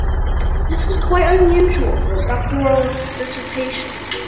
This was quite unusual for a doctoral dissertation.